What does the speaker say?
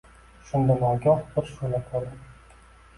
Shunda nogoh bir shu’la ko‘rdim